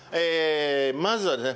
まずはですね